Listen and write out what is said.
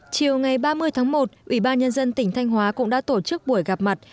chiều ngày ba mươi tháng một ủy ban nhân dân tỉnh thanh hóa cũng đã tổ chức buổi gặp mặt